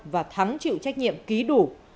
và thắng chịu trách nhiệm ký đủ